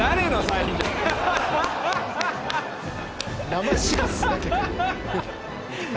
生しらすだけ。